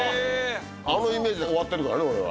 あのイメージで終わってるからね俺は。